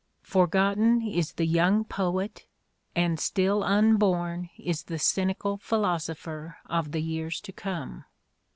Forgotten is the young poet and still unborn is the cynical philosopher of the years to come.